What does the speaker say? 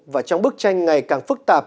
và trong bức tranh ngày càng phức tạp